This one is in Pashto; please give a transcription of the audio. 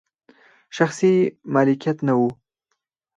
شخصي مالکیت نه و.